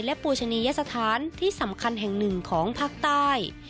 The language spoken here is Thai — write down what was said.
และปูชนียสถานที่สำคัญแห่งหนึ่งของภาคใต้